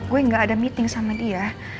gue gak ada meeting sama dia